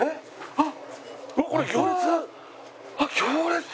あっ行列だ！